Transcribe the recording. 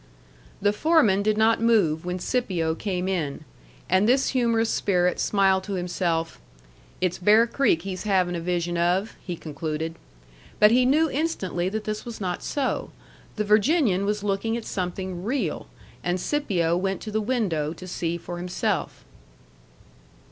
The foreman did not move when Scipio came in, and this humorous spirit smiled to himself. "It's Bear Creek he's havin' a vision of," he concluded. But he knew instantly that this was not so. The Virginian was looking at something real, and Scipio went to the window to see for himself.